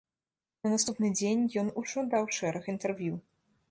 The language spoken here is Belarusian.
На наступны дзень ён ужо даў шэраг інтэрв'ю.